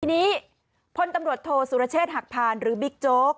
ทีนี้พลตำรวจโทสุรเชษฐ์หักพานหรือบิ๊กโจ๊ก